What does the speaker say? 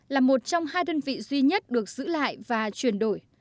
là một trong hai đơn vị duy nhất được giữ lại và chuyển đổi